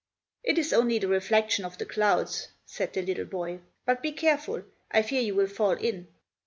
"It is only the reflection of the clouds," said the little boy. "But be careful. I fear you will fall in."